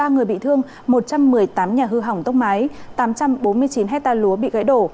ba người bị thương một trăm một mươi tám nhà hư hỏng tốc mái tám trăm bốn mươi chín hectare lúa bị gãy đổ